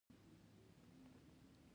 ایا تاسو زما درناوی کوئ؟